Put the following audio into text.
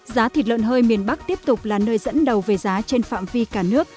giá thịt lợn hơi miền bắc tiếp tục là nơi dẫn đầu về giá trên phạm vi cả nước